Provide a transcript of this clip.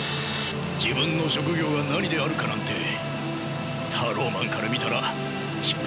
自分の職業が何であるかなんてタローマンから見たらちっぽけなことなのかもしれないな。